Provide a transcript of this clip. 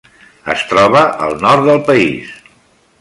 Es troba al nord del país.